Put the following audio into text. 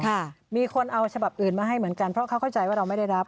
ค่ะมีคนเอาฉบับอื่นมาให้เหมือนกันเพราะเขาเข้าใจว่าเราไม่ได้รับ